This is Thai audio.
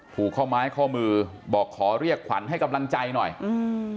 ผูกข้อไม้ข้อมือบอกขอเรียกขวัญให้กำลังใจหน่อยอืม